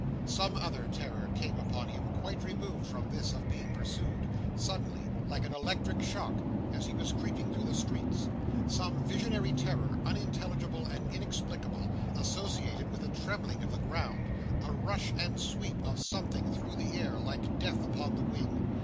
Some other terror came upon him quite removed from this of being pursued, suddenly, like an electric shock, as he was creeping through the streets Some visionary terror, unintelligible and inexplicable, associated with a trembling of the ground,—a rush and sweep of something through the air, like Death upon the wing.